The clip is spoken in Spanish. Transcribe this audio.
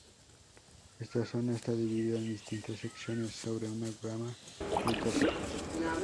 Esta zona está dividida en distintas secciones sobre una gama de tópicos.